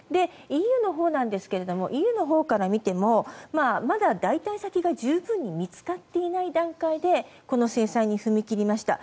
ＥＵのほうですがＥＵのほうから見てもまだ代替先が十分に見つかっていない段階でこの制裁に踏み切りました。